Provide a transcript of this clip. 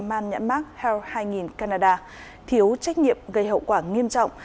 man nhãn mark health hai nghìn canada thiếu trách nhiệm gây hậu quả nghiêm trọng